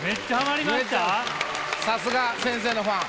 さすが先生のファン。